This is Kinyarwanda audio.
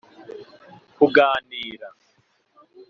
kuganira